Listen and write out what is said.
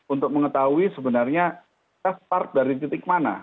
untuk mengetahui sebenarnya kita start dari titik mana